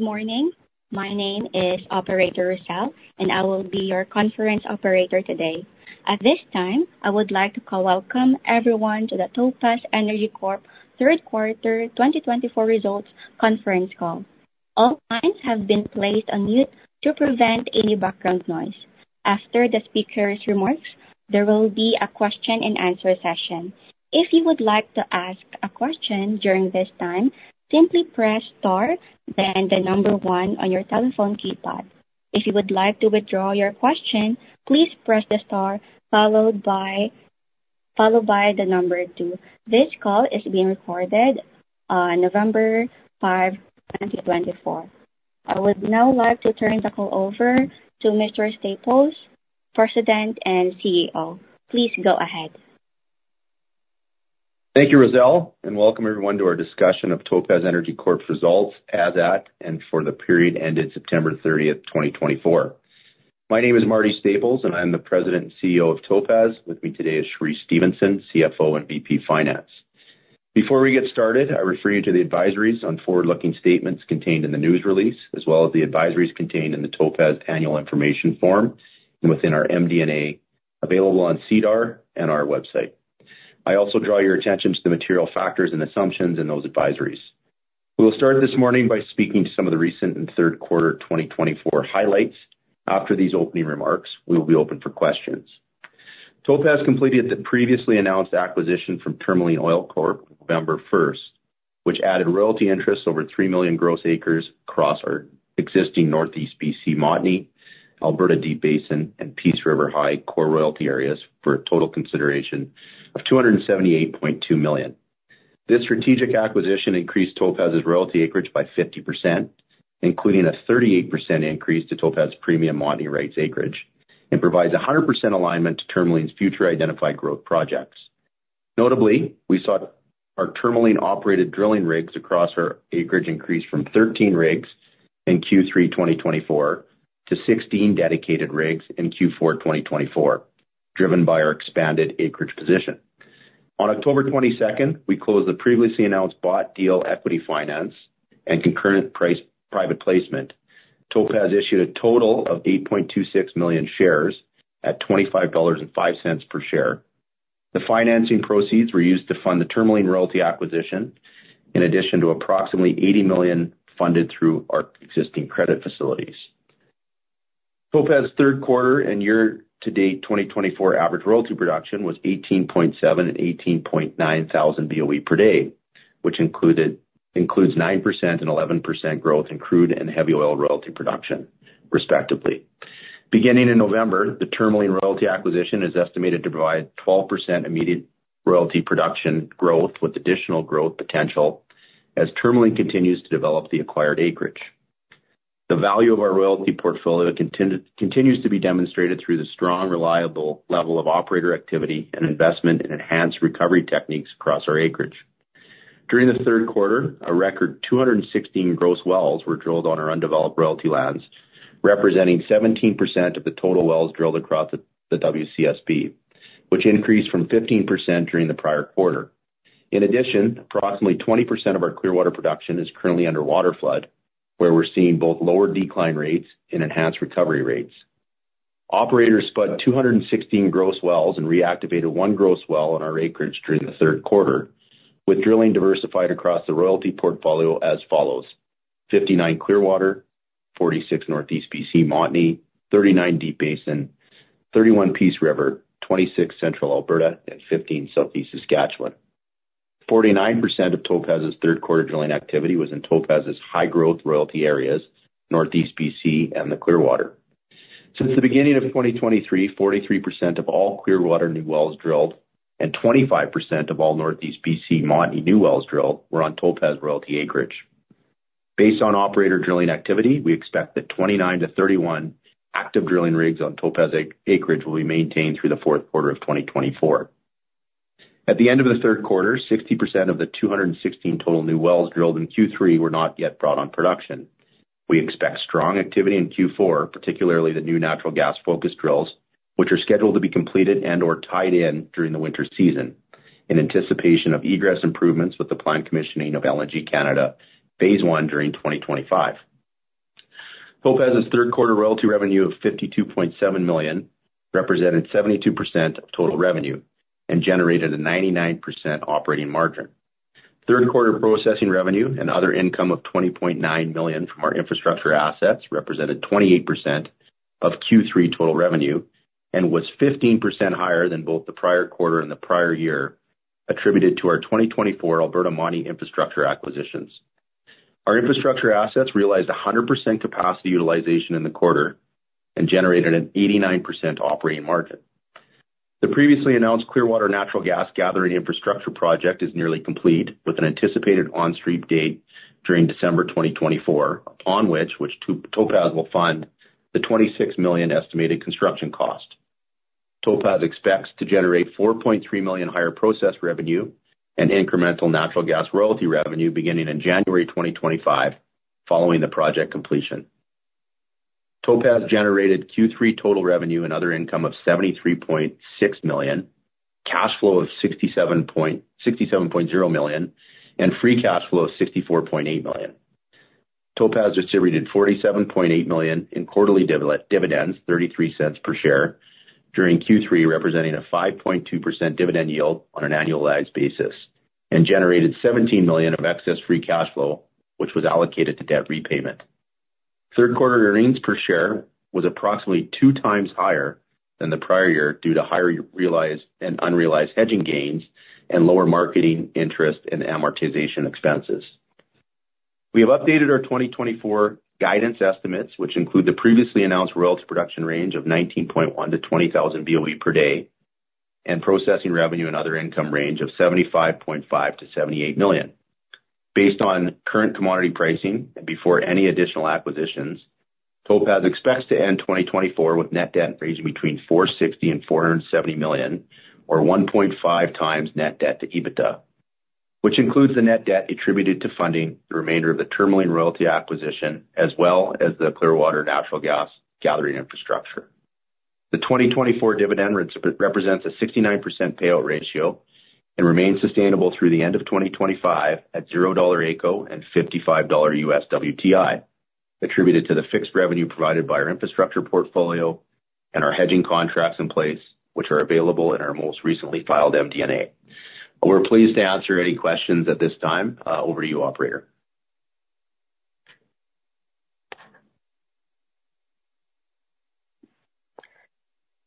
Good morning. My name is Operator Rochelle, and I will be your conference operator today. At this time, I would like to welcome everyone to the Topaz Energy Corp third quarter 2024 results conference call. All lines have been placed on mute to prevent any background noise. After the speaker's remarks, there will be a question-and-answer session. If you would like to ask a question during this time, simply press star, then the number one on your telephone keypad. If you would like to withdraw your question, please press the star followed by the number two. This call is being recorded on November 5, 2024. I would now like to turn the call over to Mr. Staples, President and CEO. Please go ahead. Thank you, Rochelle, and welcome everyone to our discussion of Topaz Energy Corp's results as at and for the period ended September 30, 2024. My name is Marty Staples, and I'm the President and CEO of Topaz. With me today is Cheree Stephenson, CFO and VP Finance. Before we get started, I refer you to the advisories on forward-looking statements contained in the news release, as well as the advisories contained in the Topaz annual information form and within our MD&A available on SEDAR and our website. I also draw your attention to the material factors and assumptions in those advisories. We will start this morning by speaking to some of the recent and third quarter 2024 highlights. After these opening remarks, we will be open for questions. Topaz completed the previously announced acquisition from Tourmaline Oil Corp on November 1, which added royalty interest over 3 million gross acres across our existing Northeast BC Montney, Alberta Deep Basin, and Peace River High core royalty areas for a total consideration of 278.2 million. This strategic acquisition increased Topaz's royalty acreage by 50%, including a 38% increase to Topaz's premium Montney rights acreage, and provides 100% alignment to Tourmaline's future identified growth projects. Notably, we saw our Tourmaline-operated drilling rigs across our acreage increase from 13 rigs in Q3 2024 to 16 dedicated rigs in Q4 2024, driven by our expanded acreage position. On October 22, we closed the previously announced bought deal equity financing and concurrent priced private placement. Topaz issued a total of 8.26 million shares at 25.05 dollars per share. The financing proceeds were used to fund the Tourmaline royalty acquisition, in addition to approximately 80 million funded through our existing credit facilities. Topaz's third quarter and year-to-date 2024 average royalty production was 18.7 and 18.9 thousand BOE per day, which includes 9% and 11% growth in crude and heavy oil royalty production, respectively. Beginning in November, the Tourmaline royalty acquisition is estimated to provide 12% immediate royalty production growth with additional growth potential as Tourmaline continues to develop the acquired acreage. The value of our royalty portfolio continues to be demonstrated through the strong, reliable level of operator activity and investment in enhanced recovery techniques across our acreage. During the third quarter, a record 216 gross wells were drilled on our undeveloped royalty lands, representing 17% of the total wells drilled across the WCSB, which increased from 15% during the prior quarter. In addition, approximately 20% of our Clearwater production is currently under waterflood, where we're seeing both lower decline rates and enhanced recovery rates. Operators spudded 216 gross wells and reactivated one gross well on our acreage during the third quarter, with drilling diversified across the royalty portfolio as follows: 59 Clearwater, 46 Northeast BC Montney, 39 Deep Basin, 31 Peace River, 26 Central Alberta, and 15 Southeast Saskatchewan. 49% of Topaz's third quarter drilling activity was in Topaz's high-growth royalty areas, Northeast BC and the Clearwater. Since the beginning of 2023, 43% of all Clearwater new wells drilled and 25% of all Northeast BC Montney new wells drilled were on Topaz royalty acreage. Based on operator drilling activity, we expect that 29 to 31 active drilling rigs on Topaz acreage will be maintained through the fourth quarter of 2024. At the end of the third quarter, 60% of the 216 total new wells drilled in Q3 were not yet brought on production. We expect strong activity in Q4, particularly the new natural gas-focused drills, which are scheduled to be completed and/or tied in during the winter season in anticipation of egress improvements with the planned commissioning of LNG Canada phase one during 2025. Topaz's third quarter royalty revenue of 52.7 million represented 72% of total revenue and generated a 99% operating margin. Third quarter processing revenue and other income of 20.9 million from our infrastructure assets represented 28% of Q3 total revenue and was 15% higher than both the prior quarter and the prior year attributed to our 2024 Alberta Montney infrastructure acquisitions. Our infrastructure assets realized 100% capacity utilization in the quarter and generated an 89% operating margin. The previously announced Clearwater natural gas gathering infrastructure project is nearly complete, with an anticipated on-stream date during December 2024, upon which Topaz will fund the 26 million estimated construction cost. Topaz expects to generate 4.3 million higher process revenue and incremental natural gas royalty revenue beginning in January 2025 following the project completion. Topaz generated Q3 total revenue and other income of 73.6 million, cash flow of 67.0 million, and free cash flow of 64.8 million. Topaz distributed 47.8 million in quarterly dividends, 0.33 per share during Q3, representing a 5.2% dividend yield on an annualized basis, and generated 17 million of excess free cash flow, which was allocated to debt repayment. Third quarter earnings per share was approximately two times higher than the prior year due to higher realized and unrealized hedging gains and lower marketing interest and amortization expenses. We have updated our 2024 guidance estimates, which include the previously announced royalty production range of 19.1-20,000 BOE per day and processing revenue and other income range of $75.5-$78 million. Based on current commodity pricing and before any additional acquisitions, Topaz expects to end 2024 with net debt ranging between $460 and $470 million, or 1.5 times net debt to EBITDA, which includes the net debt attributed to funding the remainder of the Tourmaline royalty acquisition as well as the Clearwater natural gas gathering infrastructure. The 2024 dividend represents a 69% payout ratio and remains sustainable through the end of 2025 at $0 AECO and $55 USD WTI attributed to the fixed revenue provided by our infrastructure portfolio and our hedging contracts in place, which are available in our most recently filed MD&A. We're pleased to answer any questions at this time. Over to you, Operator.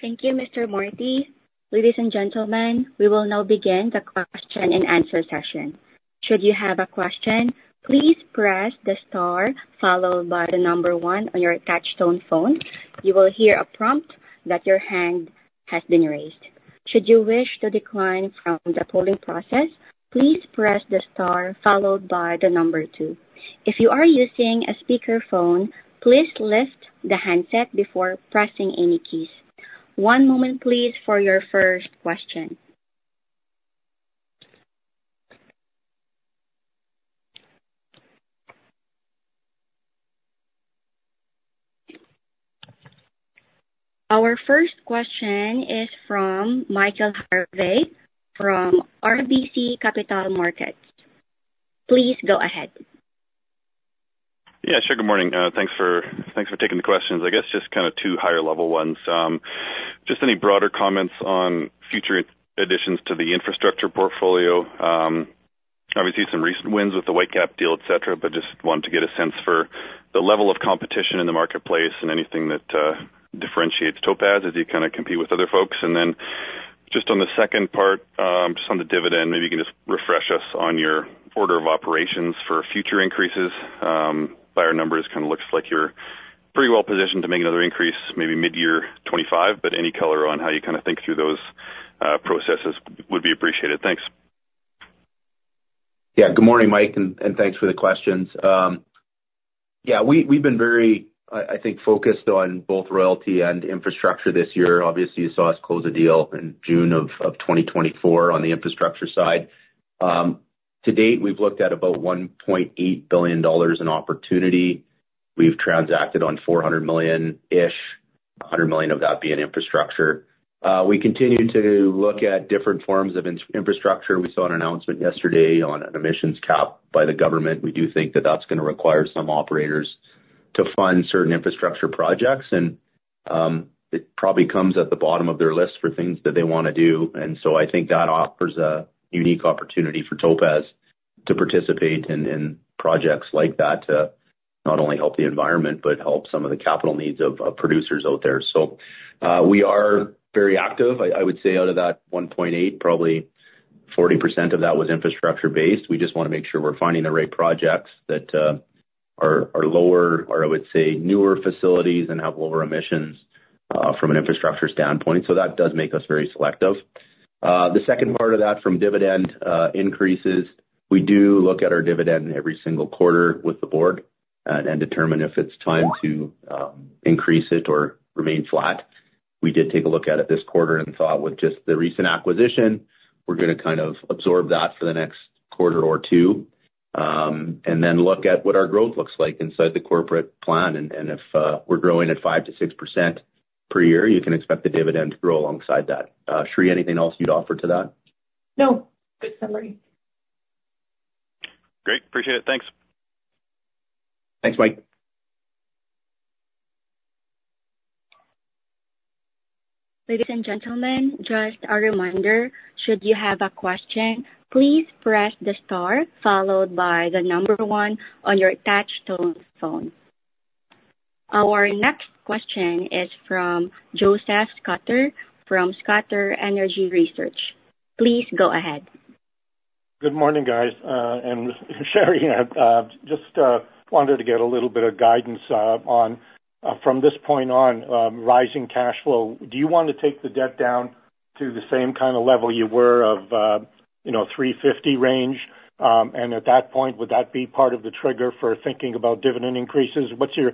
Thank you, Mr. Marty Ladies and gentlemen, we will now begin the question-and-answer session. Should you have a question, please press the star followed by the number one on your touch-tone phone. You will hear a prompt that your hand has been raised. Should you wish to decline from the polling process, please press the star followed by the number two. If you are using a speakerphone, please lift the handset before pressing any keys. One moment, please, for your first question. Our first question is from Michael Harvey from RBC Capital Markets. Please go ahead. Yeah, sure. Good morning. Thanks for taking the questions. I guess just kind of two higher-level ones. Just any broader comments on future additions to the infrastructure portfolio. Obviously, some recent wins with the Whitecap deal, et cetera, but just wanted to get a sense for the level of competition in the marketplace and anything that differentiates Topaz as you kind of compete with other folks. And then just on the second part, just on the dividend, maybe you can just refresh us on your order of operations for future increases. By our numbers, it kind of looks like you're pretty well positioned to make another increase maybe mid-year 2025, but any color on how you kind of think through those processes would be appreciated. Thanks. Yeah, good morning, Mike, and thanks for the questions. Yeah, we've been very, I think, focused on both royalty and infrastructure this year. Obviously, you saw us close a deal in June of 2024 on the infrastructure side. To date, we've looked at about $1.8 billion in opportunity. We've transacted on $400 million-ish, $100 million of that being infrastructure. We continue to look at different forms of infrastructure. We saw an announcement yesterday on an emissions cap by the government. We do think that that's going to require some operators to fund certain infrastructure projects, and it probably comes at the bottom of their list for things that they want to do. And so I think that offers a unique opportunity for Topaz to participate in projects like that to not only help the environment but help some of the capital needs of producers out there. We are very active. I would say out of that 1.8, probably 40% of that was infrastructure-based. We just want to make sure we're finding the right projects that are lower or, I would say, newer facilities and have lower emissions from an infrastructure standpoint. So that does make us very selective. The second part of that from dividend increases, we do look at our dividend every single quarter with the board and determine if it's time to increase it or remain flat. We did take a look at it this quarter and thought with just the recent acquisition, we're going to kind of absorb that for the next quarter or two and then look at what our growth looks like inside the corporate plan. If we're growing at 5%-6% per year, you can expect the dividend to grow alongside that. Sheree, anything else you'd offer to that? No. Good summary. Great. Appreciate it. Thanks. Thanks, Mike. Ladies and gentlemen, just a reminder, should you have a question, please press the star followed by the number one on your touch-tone phone. Our next question is from Josef Schachter from Schachter Energy Research. Please go ahead. Good morning, guys. Sheree, I just wanted to get a little bit of guidance on, from this point on, rising cash flow. Do you want to take the debt down to the same kind of level you were of 350 range? And at that point, would that be part of the trigger for thinking about dividend increases? What's your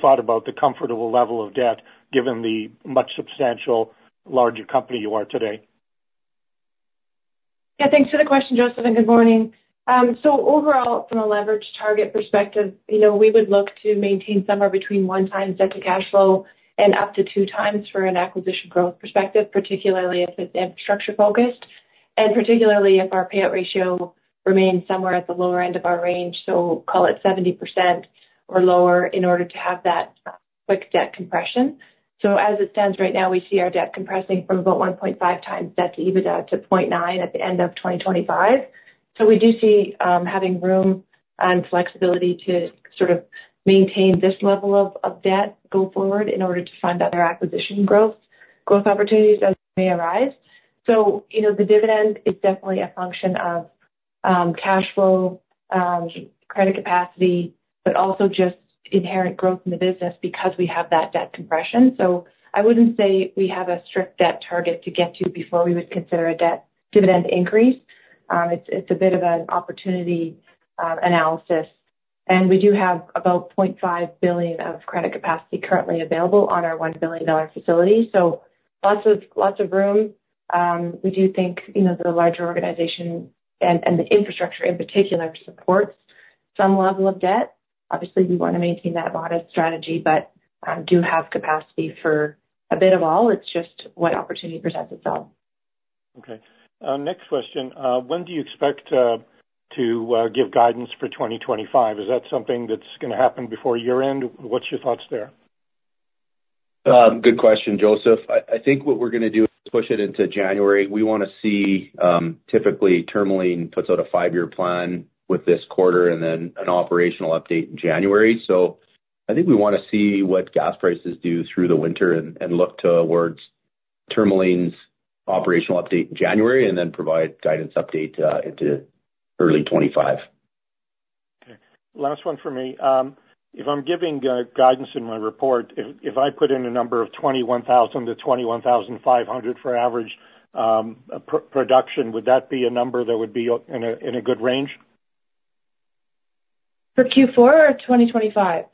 thought about the comfortable level of debt given the much substantial larger company you are today? Yeah, thanks for the question, Josef, and good morning. So overall, from a leverage target perspective, we would look to maintain somewhere between one-time debt to cash flow and up to two times for an acquisition growth perspective, particularly if it's infrastructure-focused and particularly if our payout ratio remains somewhere at the lower end of our range, so call it 70% or lower, in order to have that quick debt compression. So as it stands right now, we see our debt compressing from about 1.5 times debt to EBITDA to 0.9 at the end of 2025. So we do see having room and flexibility to sort of maintain this level of debt go forward in order to fund other acquisition growth opportunities as they may arise. The dividend is definitely a function of cash flow, credit capacity, but also just inherent growth in the business because we have that debt compression. I wouldn't say we have a strict debt target to get to before we would consider a debt dividend increase. It's a bit of an opportunity analysis. And we do have about 0.5 billion of credit capacity currently available on our 1 billion dollar facility. Lots of room. We do think the larger organization and the infrastructure in particular supports some level of debt. Obviously, we want to maintain that modest strategy, but do have capacity for a bit of all. It's just what opportunity presents itself. Okay. Next question. When do you expect to give guidance for 2025? Is that something that's going to happen before year-end? What's your thoughts there? Good question, Josef. I think what we're going to do is push it into January. We want to see typically Tourmaline puts out a five-year plan with this quarter and then an operational update in January. So I think we want to see what gas prices do through the winter and look towards Tourmaline's operational update in January and then provide guidance update into early 2025. Okay. Last one for me. If I'm giving guidance in my report, if I put in a number of $21,000-$21,500 for average production, would that be a number that would be in a good range? For Q4 or 2025?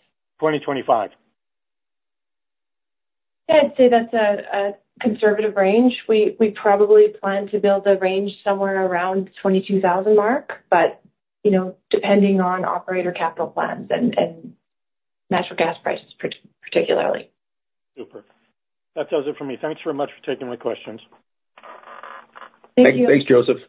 2025. Yeah, I'd say that's a conservative range. We probably plan to build a range somewhere around the 22,000 mark, but depending on operator capital plans and natural gas prices particularly. Super. That does it for me. Thanks very much for taking my questions. Thank you. Thanks, Joseph.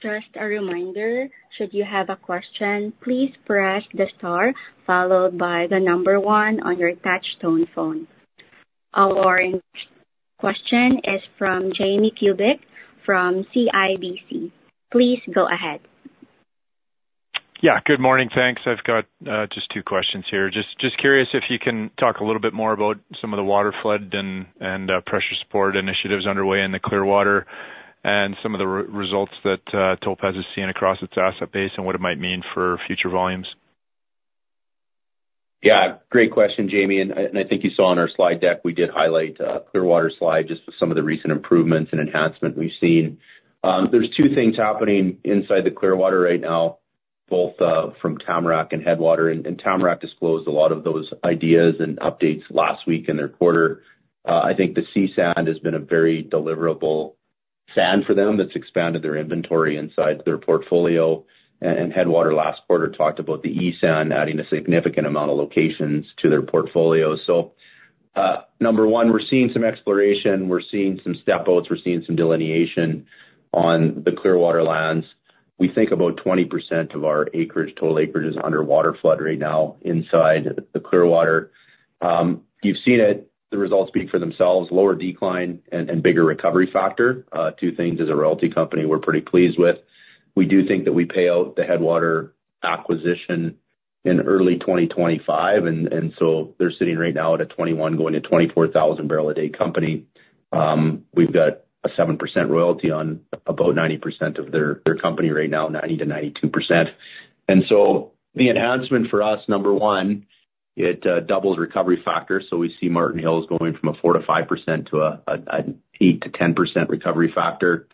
Just a reminder, should you have a question, please press the star followed by the number one on your touch-tone phone. Our question is from Jamie Kubik from CIBC. Please go ahead. Yeah, good morning. Thanks. I've got just two questions here. Just curious if you can talk a little bit more about some of the water flood and pressure support initiatives underway in the Clearwater and some of the results that Topaz is seeing across its asset base and what it might mean for future volumes. Yeah, great question, Jamie. And I think you saw on our slide deck, we did highlight Clearwater's slide just with some of the recent improvements and enhancement we've seen. There's two things happening inside the Clearwater right now, both from Tamarack and Headwater. And Tamarack disclosed a lot of those ideas and updates last week in their quarter. I think the C-Sand has been a very deliverable sand for them that's expanded their inventory inside their portfolio. And Headwater last quarter talked about the E-Sand adding a significant amount of locations to their portfolio. So number one, we're seeing some exploration. We're seeing some step-outs. We're seeing some delineation on the Clearwater lands. We think about 20% of our total acreage is under water flood right now inside the Clearwater. You've seen it, the results speak for themselves, lower decline and bigger recovery factor. Two things as a royalty company we're pretty pleased with. We do think that we pay out the Headwater acquisition in early 2025. And so they're sitting right now at a 21,000 going to 24,000 barrel a day company. We've got a 7% royalty on about 90% of their company right now, 90%-92%. And so the enhancement for us, number one, it doubles recovery factor. So we see Marten Hills going from a 4%-5% to an 8%-10% recovery factor.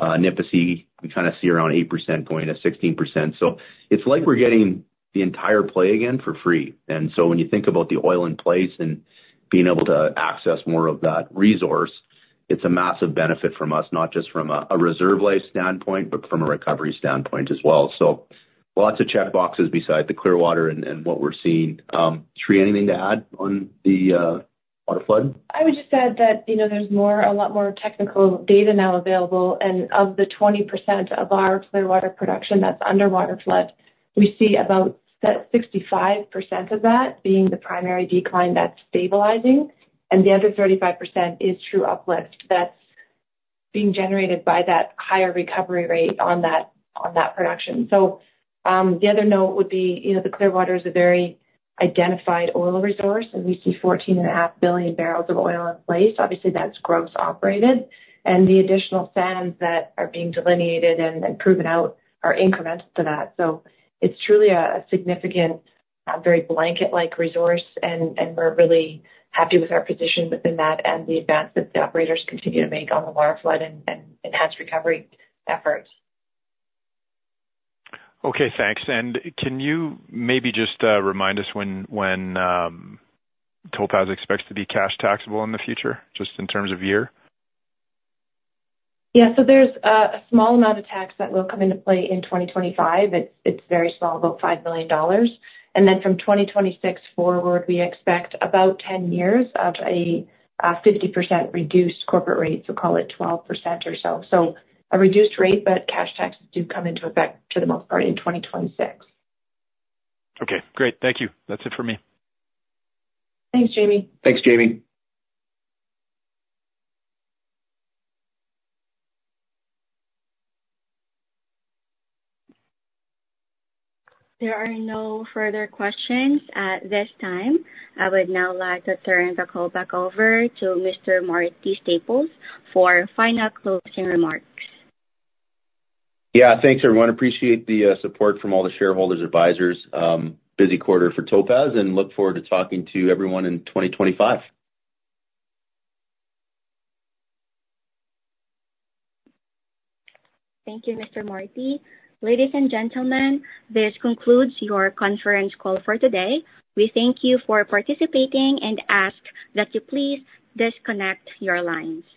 Nipisi, we kind of see around 8% going to 16%. So it's like we're getting the entire play again for free. And so when you think about the oil in place and being able to access more of that resource, it's a massive benefit from us, not just from a reserve life standpoint, but from a recovery standpoint as well. So lots of checkboxes beside the Clearwater and what we're seeing. Sheree, anything to add on the water flood? I would just add that there's a lot more technical data now available, and of the 20% of our Clearwater production that's under water flood, we see about 65% of that being the primary decline that's stabilizing, and the other 35% is true uplift that's being generated by that higher recovery rate on that production. So the other note would be the Clearwater is a very identified oil resource, and we see 14.5 billion barrels of oil in place. Obviously, that's gross operated, and the additional sands that are being delineated and proven out are increments to that, so it's truly a significant, very blanket-like resource, and we're really happy with our position within that and the advancements the operators continue to make on the water flood and enhanced recovery efforts. Okay, thanks. And can you maybe just remind us when Topaz expects to be cash taxable in the future, just in terms of year? Yeah, so there's a small amount of tax that will come into play in 2025. It's very small, about 5 million dollars. And then from 2026 forward, we expect about 10 years of a 50% reduced corporate rate, so call it 12% or so. So a reduced rate, but cash taxes do come into effect for the most part in 2026. Okay, great. Thank you. That's it for me. Thanks, Jamie. Thanks, Jamie. There are no further questions at this time. I would now like to turn the call back over to Mr. Marty Staples for final closing remarks. Yeah, thanks, everyone. Appreciate the support from all the shareholders, advisors. Busy quarter for Topaz, and look forward to talking to everyone in 2025. Thank you, Mr. Marty. Ladies and gentlemen, this concludes your conference call for today. We thank you for participating and ask that you please disconnect your lines.